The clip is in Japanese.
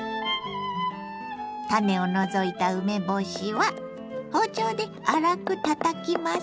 種を除いた梅干しは包丁で粗くたたきます。